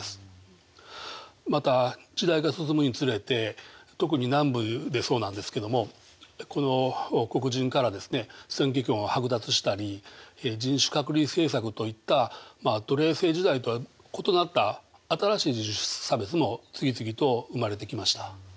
また時代が進むにつれて特に南部でそうなんですけどもこの黒人からですね選挙権を剥奪したり人種隔離政策といったまあ奴隷制時代とは異なった新しい人種差別も次々と生まれてきました。